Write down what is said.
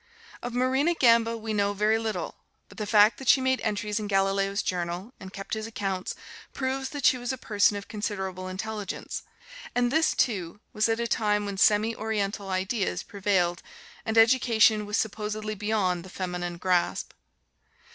Of Marina Gamba we know very little; but the fact that she made entries in Galileo's journal and kept his accounts proves that she was a person of considerable intelligence; and this, too, was at a time when semi oriental ideas prevailed and education was supposedly beyond the feminine grasp.